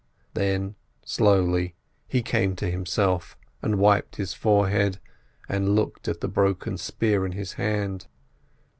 Then slowly he came to himself, and wiped his forehead, and looked at the broken spear in his hand.